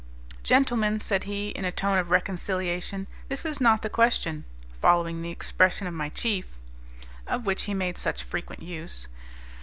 "Gentlemen," said he, in a tone of reconciliation, "this is not the question, following the expression of my chief," of which he made such frequent use.